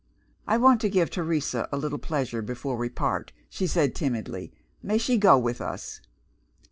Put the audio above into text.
"I want to give Teresa a little pleasure before we part," she said timidly; "may she go with us?"